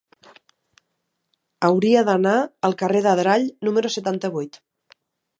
Hauria d'anar al carrer d'Adrall número setanta-vuit.